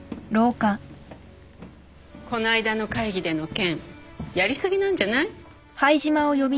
この間の会議での件やり過ぎなんじゃない？